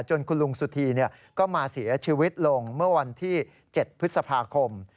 คุณลุงสุธีก็มาเสียชีวิตลงเมื่อวันที่๗พฤษภาคม